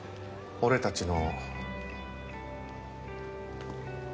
俺たちの？